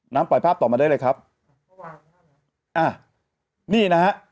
ปล่อยภาพต่อมาได้เลยครับอ่ะนี่นะฮะ